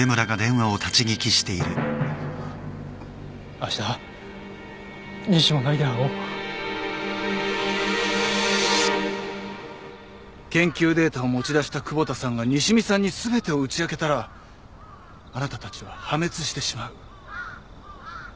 あした西馬音内で会おう研究データを持ち出した窪田さんが西見さんに全てを打ち明けたらあなたたちは破滅してしまう。